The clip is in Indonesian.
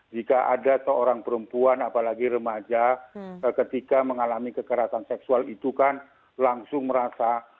jika ada seorang perempuan apalagi remaja ketika mengalami kekerasan seksual itu kan langsung merasa